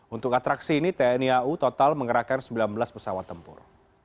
untuk atraksi ini tni au total mengerahkan sembilan belas pesawat tempur